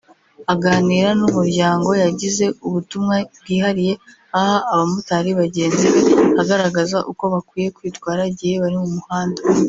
Aganira n’ Umuryango yagize ubutumwa bwihariye aha abamotari bagenzi be agaragaza uko bakwiye kwitwara igihe bari mu muhanda